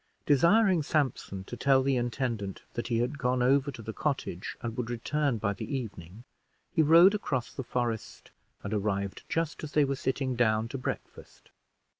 Desiring Sampson to tell the intendant that he had gone over to the cottage and would return by the evening, he rode across the forest, and arrived just as they were sitting down to breakfast.